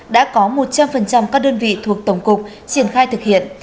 đã có một trăm linh các đơn vị thuộc tổng cục triển khai thực hiện